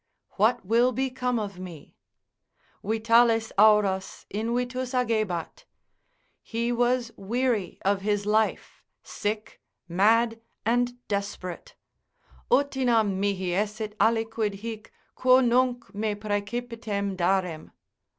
what will become of me—vitales auras invitus agebat, he was weary of his life, sick, mad, and desperate, utinam mihi esset aliquid hic, quo nunc me praecipitem darem.